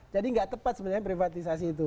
jadi tidak tepat sebenarnya privatisasi itu